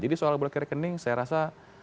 jadi soal buka rekening saya rasa